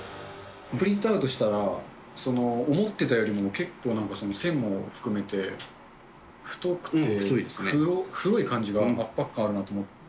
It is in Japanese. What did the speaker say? プリントアウトしたら、思ってたよりも結構、なんか線も含めて、太くて黒い感じが圧迫感があるなと思って。